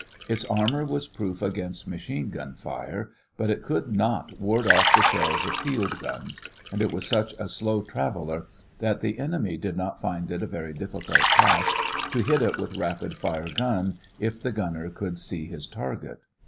Its armor was proof against machine gun fire, but it could not ward off the shells of field guns, and it was such a slow traveler that the enemy did not find it a very difficult task to hit it with a rapid fire gun if the gunner could see his target.